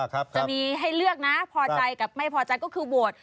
จะมีให้เลือกนะพอใจกับไม่พอใจก็คือโหวต